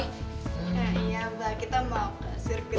iya mbak kita mau ke sirkuit